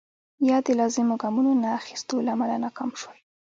یا د لازمو ګامونو نه اخیستو له امله ناکام شول.